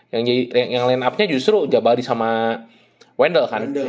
yang jadi yang line upnya justru jabari sama wendel kan